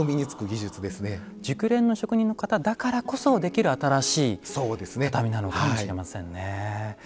熟練の職人の方だからこそできる新しい畳なのかもしれませんね。